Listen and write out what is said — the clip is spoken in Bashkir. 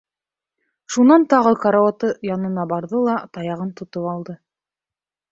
Шунан тағы карауаты янына барҙы ла таяғын тотоп алды.